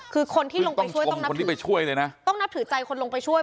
คือคนที่ลงไปช่วยต้องนับถือใจคนลงไปช่วย